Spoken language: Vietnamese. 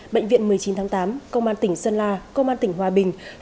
bệnh viện một mươi chín tháng tám công an tỉnh sơn la công an tỉnh hòa bình